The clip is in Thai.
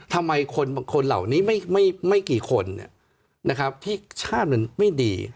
ทำไมคนเหล่านี้ไม่กี่คนที่ชาติมันไม่ดี